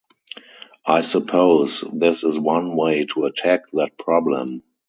I suppose this is one way to attack that problem.